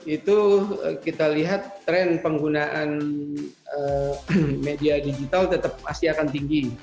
itu kita lihat tren penggunaan media digital tetap pasti akan tinggi